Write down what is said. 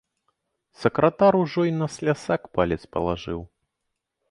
Сакратар ужо й на слясак палец палажыў.